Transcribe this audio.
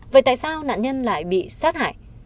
vậy tại sao nạn nhân lại bị sát hại